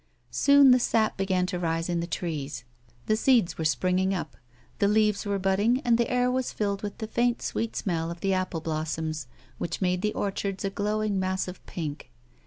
Soon the sap began to rise in the trees ; the seeds were springing up, the leaves were budding and the air was filled with the faint, sweet smell of the apple blossoms which made the orchards a glowing mass of pink.